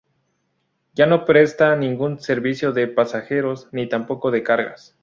Ya no presta ningún servicio de pasajeros ni tampoco de cargas.